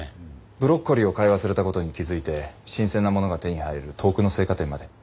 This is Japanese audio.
ブロッコリーを買い忘れた事に気づいて新鮮なものが手に入る遠くの青果店まで。